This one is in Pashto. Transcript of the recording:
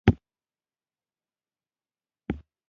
دوی دولتونه او استوګنځایونه یې جوړ کړل